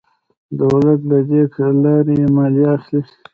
دولت له دې لارې مالیه اخلي.